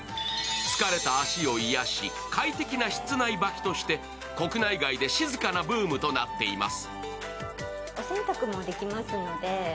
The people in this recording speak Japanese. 疲れた足を癒やし、快適な室内履きとして国内外で静かなブームとなっています。